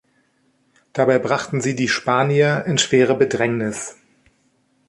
Dabei brachten sie die Spanier in schwere Bedrängnis.